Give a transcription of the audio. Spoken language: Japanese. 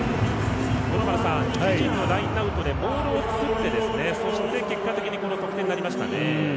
自陣のラインアウトでモールを作ってそして結果的に得点になりましたね。